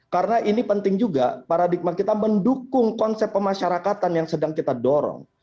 karena ini penting juga paradigma kita mendukung konsep pemasyarakatan yang sedang kita dorong